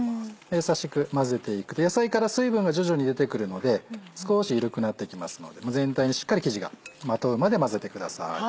優しく混ぜていくと野菜から水分が徐々に出てくるので少し緩くなってきますので全体にしっかり生地がまとうまで混ぜてください。